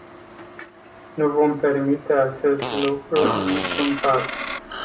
Nu vom permite acest lucru în niciun caz.